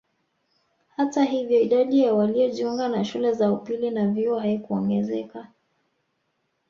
Hata hivyo idadi ya waliojiunga na shule za upili na vyuo haikuongezeka